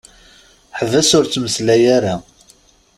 Ḥbes ur ttmeslay ara.